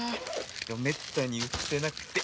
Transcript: でもめったに売ってなくて。